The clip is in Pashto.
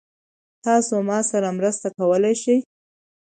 تاسو ما سره مرسته کولی شئ؟